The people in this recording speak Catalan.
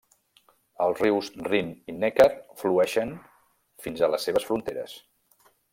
Els rius Rin i Neckar flueixen fins a les seves fronteres.